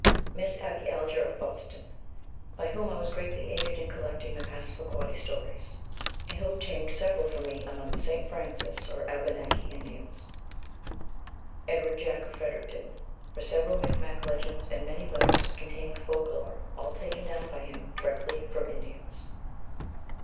Miss Abby Alger, of Boston, by whom I was greatly aided in collecting the Passamaquoddy stories, and who obtained several for me among the St. Francis or Abenaki Indians. Edward Jack, of Fredericton, for several Micmac legends and many letters containing folk lore, all taken down by him directly from Indians.